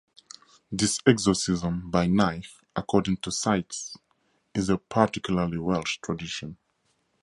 This exorcism by knife, according to Sikes, is a particularly Welsh tradition.